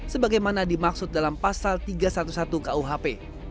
sebagaimana dimaksud dalam pasal tiga ratus sebelas kuhp